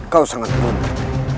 kau sangat pembunuh